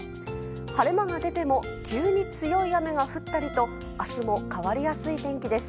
晴れ間が出ても急に強い雨が降ったりと明日も変わりやすい天気です。